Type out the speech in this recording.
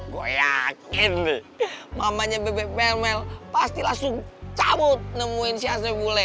gue yakin nih mamanya bebet mel mel pasti langsung cabut nemuin si asef bule